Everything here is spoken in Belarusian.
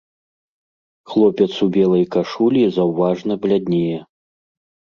Хлопец у белай кашулі заўважна бляднее.